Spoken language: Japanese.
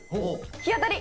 日当たり。